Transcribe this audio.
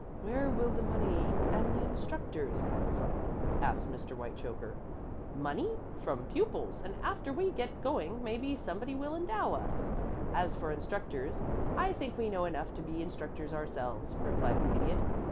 "Where will the money and the instructors come from?" asked Mr. Whitechoker. "Money? From pupils; and after we get going maybe somebody will endow us. As for instructors, I think we know enough to be instructors ourselves," replied the Idiot.